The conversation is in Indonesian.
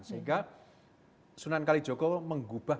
sehingga sunan kalijogo menggubah